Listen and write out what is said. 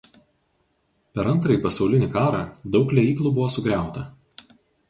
Per Antrąjį pasaulinį karą daug liejyklų buvo sugriauta.